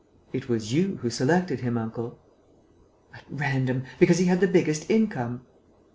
"It was you who selected him, uncle." "At random ... because he had the biggest income...."